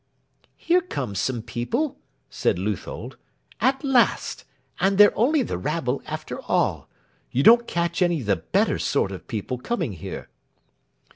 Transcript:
"Here come some people," said Leuthold. "At last! And they're only the rabble, after all. You don't catch any of the better sort of people coming here."